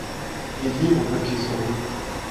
ayez vos papiers sur vous.